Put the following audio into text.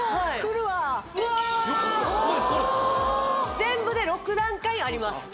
全部で６段階あります